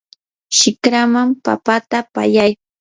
shikraman papata pallay.